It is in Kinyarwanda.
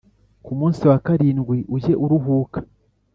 Ku munsi wa karindwi ujye uruhuka